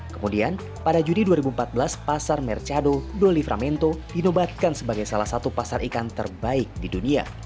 kemudian pada juni dua ribu empat belas pasar mercado doli framento dinobatkan sebagai salah satu pasar ikan terbaik di dunia